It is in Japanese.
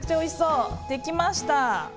できました！